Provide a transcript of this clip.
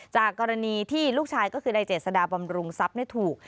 จากกรณีที่ลูกชายก็คือในเจษฎาบำรุงทรัพย์ถูก